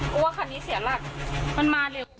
เพราะว่าคันนี้เสียหลักมันมาเร็ว